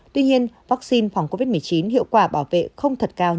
tuy nhiên vaccine phòng covid một mươi chín hiệu quả bảo vệ không thật cao